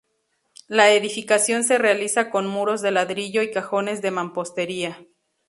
La edificación se realiza con muros de ladrillo y cajones de mampostería.